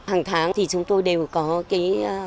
hàng tháng thì chúng tôi đều có cái